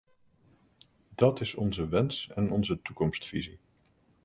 Dat is onze wens en onze toekomstvisie.